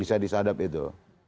bisa disadap itu